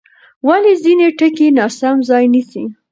ولې ځینې ټکي ناسم ځای نیسي؟